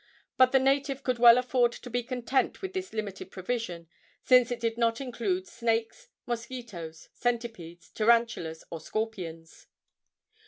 But the native could well afford to be content with this limited provision, since it did not include snakes, mosquitoes, centipedes, tarantulas, or scorpions.